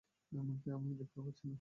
এমনকি আমি দেখতেও পারছি না।